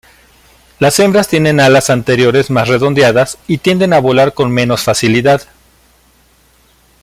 Las hembras tienen alas anteriores más redondeadas y tienden a volar con menos facilidad.